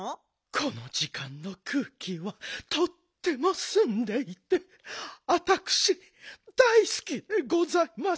このじかんのくうきはとってもすんでいてあたくし大すきでございますのよ。